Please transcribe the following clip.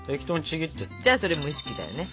じゃあそれ蒸し器だよね。